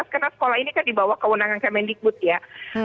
karena sekolah ini kan dibawa ke undangan ke mendikbud ya